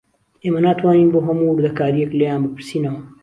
ئێمە ناتوانین بۆ هەموو وردەکارییەک لێیان بپرسینەوە